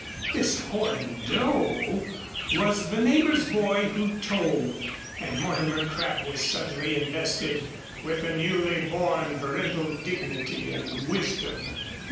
This horrible Doe was the neighbor's boy who told, and Mortimer Crabb was suddenly invested with a newly born parental dignity and wisdom.